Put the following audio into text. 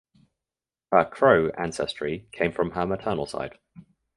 Her Crow ancestry came from her maternal side.